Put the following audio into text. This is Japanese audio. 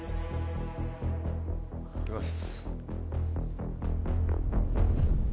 行きます。